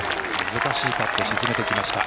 難しいパットを沈めてきました。